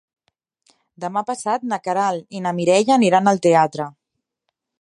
Demà passat na Queralt i na Mireia aniran al teatre.